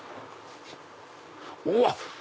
うわっ！